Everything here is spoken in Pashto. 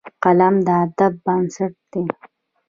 قلم د ادب بنسټ دی